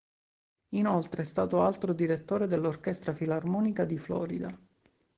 Inoltre è stato altro direttore dell'Orchestra Filarmonica di Florida.